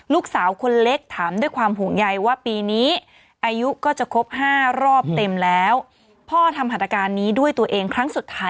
ลูกสาวคนเล็กถามด้วยความห่วงใยว่า